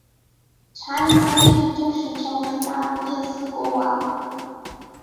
查理三世正式成为那不勒斯国王。